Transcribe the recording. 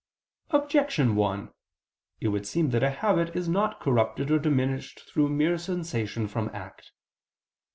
Objection 1: It would seem that a habit is not corrupted or diminished through mere cessation from act.